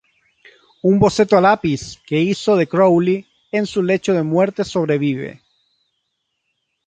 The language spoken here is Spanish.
Un boceto a lápiz que hizo de Crowley en su lecho de muerte sobrevive.